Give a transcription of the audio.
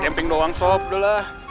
camping doang sob udah lah